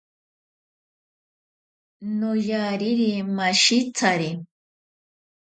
Noyariri mashitsari.